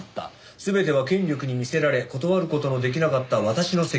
「すべては権力に魅せられ断ることのできなかった私の責任です」